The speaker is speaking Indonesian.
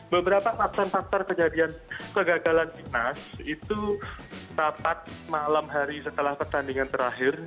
beberapa faktor faktor kegagalan timnas itu rapat malam hari setelah pertandingan terakhir